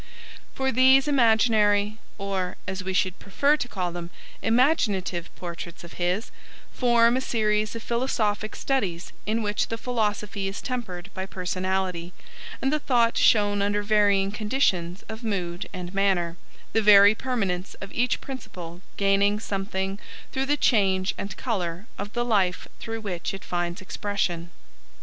For these Imaginary or, as we should prefer to call them, Imaginative Portraits of his, form a series of philosophic studies in which the philosophy is tempered by personality, and the thought shown under varying conditions of mood and manner, the very permanence of each principle gaining something through the change and colour of the life through which it finds expression.